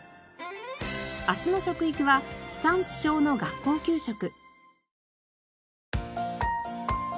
明日の食育は地産地消の学校給食。